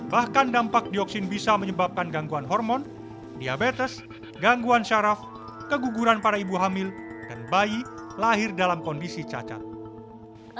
bahkan dampak dioksin bisa menyebabkan gangguan hormon diabetes gangguan syaraf keguguran para ibu hamil dan bayi lahir dalam kondisi cacat